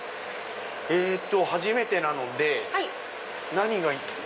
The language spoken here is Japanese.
えっと初めてなので何が。